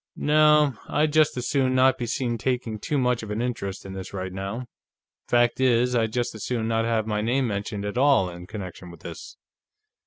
"No. I'd just as soon not be seen taking too much of an interest in this right now. Fact is, I'd just as soon not have my name mentioned at all in connection with this.